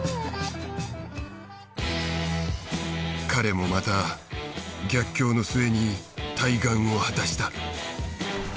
彼もまた逆境の末に大願を果たした。